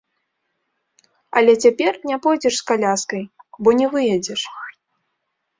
Але цяпер не пойдзеш з каляскай, бо не выедзеш.